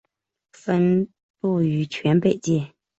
分布于全北界。